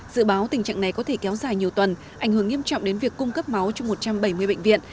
dự báo tình trạng này có thể kéo dài nhiều tuần ảnh hưởng nghiêm trọng đến việc cung cấp máu cho một trăm bảy mươi bệnh viện